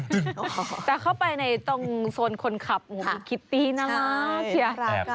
แต่เข้าไปในตรงโซนคนขับคิตตี้น่ารัก